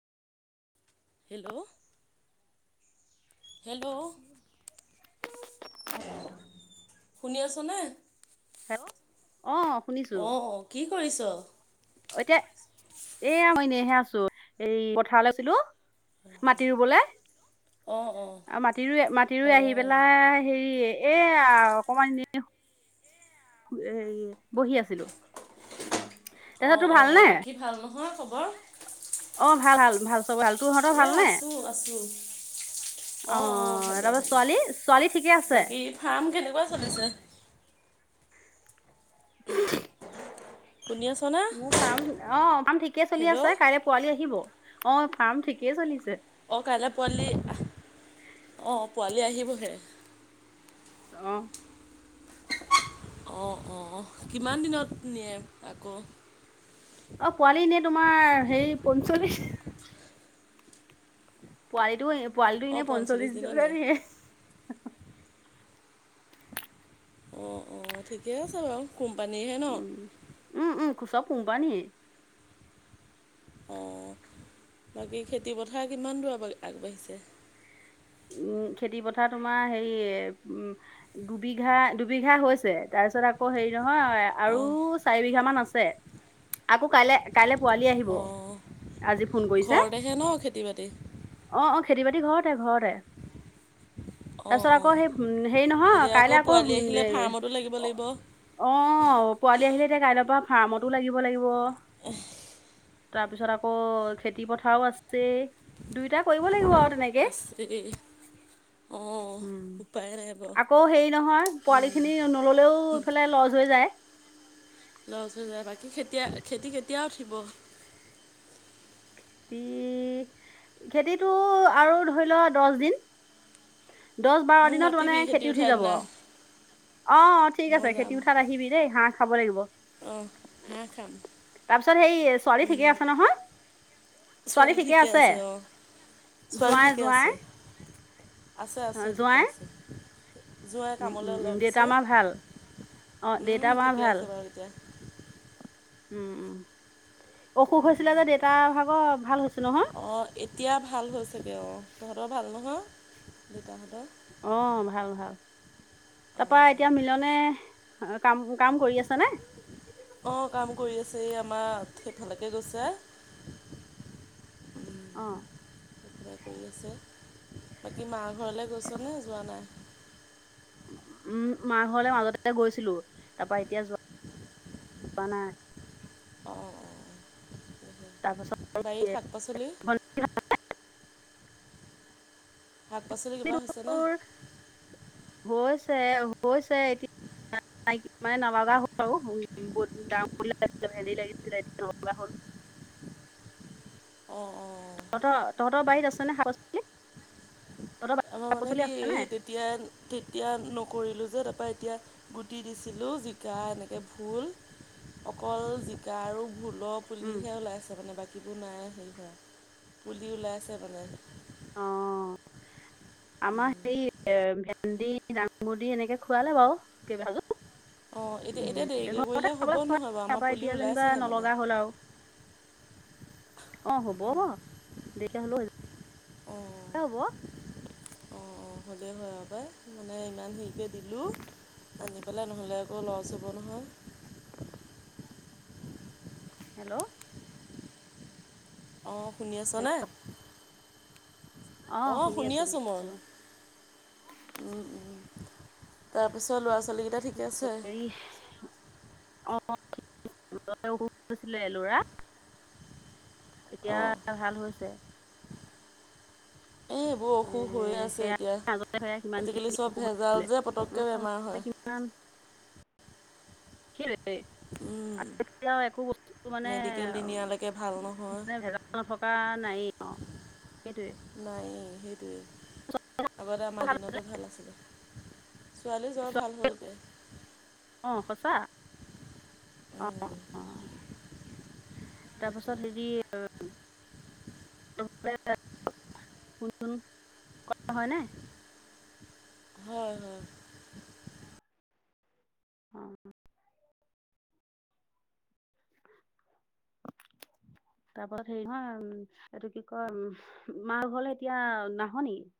Hello, hello, শুনি আছনে অ অ অ কি কৰিছ। এতিয়া এয়া মই এনেহে আছো এই পথাৰলৈ আছিলো মাটি ৰোবলে অঁ অঁ আৰু মাটি মাটি অঁ আহি পেলাই হেৰি এ অকমান এ এ বহি আছিলো। তাৰপিছত অ', তোৰ অ', অ', ভালনে বাকী ভাল নহয় খবৰ অ', ভাল ভাল ভাল চবে ভাল তোৰহহঁতৰ এই ভালনে। আছোঁ আছোঁ অঁ অঁ আহ ভালেই তাপা ভালেই ছোৱালী ছোৱালী ঠিকে আছে। বাকী ফাৰ্ম কেনেকুৱা চলিছে। [inaudible] শুনি আছনে। মোৰ ফাৰ্ম অ ফাৰ্ম ঠিকে চলি হেল্ল' আছে। কাইলৈ পোৱালি আহিব অ ফাৰ্ম ঠিকে চলিছে। অ', কাইলৈ পোৱালি অ', পোৱালি আহিবহে অ', অ', অ', কিমান দিনত নিয়ে আকৌ অ', পোৱালিনে তোমাৰ হেৰি পঞ্চলিশ পোৱালিটো পোৱালিটো অঁ এনেই পঞ্চল্লিছ পঞ্চল্লিশ দিনত নিয়ে জনে অ', অ', ঠিকে আছে, বাৰু কোম্পানীৰহে ন উম' উম' চ ব কোম্পানী এই। অ', বাকী খেতিপথাৰ কিমান দূৰ আ আগবাঢ়িছে। উম খেতি পথাৰ তোমাৰ হেৰি উম দুবিঘা দুবিঘা হৈছে তাৰপিছত আকৌ আকৌ হেৰি নহয় আৰু অঁ চাৰি বিঘা মান আছে আকৌ কাইলে কাইলৈ পোৱালি আহিব অঁ আজি ফোন কৰিছে। ঘৰতেহে ন খেতি বাতি অ', অ', খেতি বাতি ঘৰতে ঘৰতে। অঁ তাৰপিছত আকৌ অঁ সেই হেৰি নহয় এতিয়া কাইলে আকৌ পোৱালি আহিলে এ ফাৰ্মতো লাগিব লাগিব অ', পোৱালি আহিলে এতিয়া কাইলৈৰ পৰা ফাৰ্মতো লাগিব লাগিব। তাৰ পিছত আকৌ খেতি পথাৰও আছে। দুইটা কৰিব লাগিব আউ। আছে। অ', উম, উপায় নাই বাউ আকৌ হেৰি নহয় পোৱালি খিনি নললেও উম। ইফালে লছ হৈ যায় লৰা ছোৱালী নাই বাকী খেতিয়া খেতি কেতিয়াও উঠিব? উম খেতিটো আৰু ধৰিল দশ দিন দশ বাৰ মোক দিনত মানে মাতিবি খেতি উঠি উঠাৰ যাব। দিনা অ', ঠিক মই আছে। খেতি যাম উঠাত আহিবি দেই হাঁহ খাব লাগিব। অঁ হাঁহ খাম তাৰপিছত সেই ছোৱালী ঠিকে আছে নহয়? ছোৱালী ঠিকে আছে অ। ছোৱালী জোঁৱাই ঠিকে জোঁৱাই আছে। আছে অ, আছে ঠিকেহ জোঁৱাই আছে। যোঁৱাই উম, কামলৈ উম, উম, ওলাই দেউতা গৈছে। মা ভাল অ উম দেউতা মা ঠিকে আছে বাৰু এতিয়া। উম'উম অসুখ হৈছিলে যে দেউতাৰ ভাগৰ ভাল হৈছে নহয়। অঁ এতিয়া ভাল হৈছে গে অ', তহঁতৰ ভাল নহয় দেউতাহঁতৰ। অ' ভাল ভাল। তাৰপা অঁ এতিয়া মিলনে কাম কাম কৰি আছে নে? অ' কাম কৰি আছে। এই আমাৰ সেইফালেকে গৈছে। [unintelligible] অহ কিবা কৰি আছে। বাকী মা ঘৰলৈ গৈছনে? যোৱা নাই উম মা ঘৰলে মাজতে গৈছিলো। তাৰ পৰা এতিয়া যোৱা যোৱা নাই। অ'অ' তাৰপাছত বাৰীত শাক পাচলি? শাক পাচলি কিবা হৈছেনে [unintelligible] গৈছে। হৈছে এতিয়া [unintelligible] নাই নলগা হ'ল আৰু বহুত দাঙ বাদি লাগিছিল ভেণ্ডি লাগিছিলে এতিয়া নালগা হ'ল। অ', অ, তহঁতৰ তহঁতৰ বাৰীত আনে শাক পুলী। আমাৰ মানে কি আছেনে সেই তেতিয়া তেতিয়া নকৰিলো যে তাৰাপা এতিয়া গুটি দিছিলোঁ জিকা এনেকে ভুল অকল জিকা আৰু ভুলক উম, পুলিহে ওলাইছে মানে বাকীবোৰ নাই হেৰি হোৱা পুলি ওলাইছে মানে। অঁ আমাৰ সেই এ ভেন্দি দাংমদি এনেকে খুৱালে বাউ কেইবা সাযো অ', এতিয়া এতিয়া দেৰিকে কৰিলে খাবলৈ হ'ব নহয় বাৰু আমাৰ তাৰপৰা পুলি এতিয়া ওলাই যেনিবা ছেহে মানে। নলগা হ'ল [unintelligible] অ', হ'ব দেৰীকে হলেও হয় যাব। অ, অহ এউ বহ অ', অ', হ'লে হয় আউ পাই মানে ইমান হেৰিকে দিলোঁ। আনি পেলাই নহ'লে আকৌ ল, ছ হ'ব নহয়। হেল্ল অ, শুনি আছনে। হেল্ল' অ শুনি আছোঁ মই। উম, উম তাৰপিছত ল'ৰা ছোৱালীকেইটা ঠিকে আছে চৰকাৰী অ মাজতে অসুখ হৈছিলে লৰা এতিয়া অঁ ভাল হৈছে। এই এইবোৰ এ, অসুখ হৈয়ে আছে সেয়া এতিয়া মাজতে সেয়া আজিকালি কিমানখিনি চব ভেজাল যে পটককে বেমাৰ হয়। নান কিৰেটেই। উম, আৰু এতিয়াও একো বস্তু মানে। মেডিকেল নিনিয়ালৈকে ভাল নহয় মানে ভেজাল থকা নায়েই অ সেইটোৱেই। নাই সেইটোৱেই আগতে আমাৰ দিনতে ভাল আছিলে। ছোৱালী জ্বৰ ভাল হ'লগে। অ সঁচা অ, অ, অ। তাৰপাছত হেৰি। [inaudible] [unintelligible] হয় নে। হয় হয়। অ। তাৰপত হেৰি নহয় এইটো কি কয় মা ঘৰলে এতিয়া নাহ নেকি।